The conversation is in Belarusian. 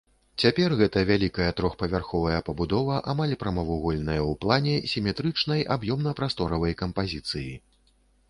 Цяпер гэта вялікая трохпавярховая пабудова, амаль прамавугольная ў плане, сіметрычнай аб'ёмна-прасторавай кампазіцыі.